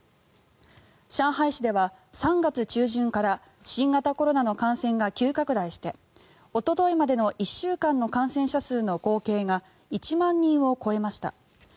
上海市では３月中旬から新型コロナの感染が急拡大しておとといまでの１週間の感染者数の合計が１万人を超えました。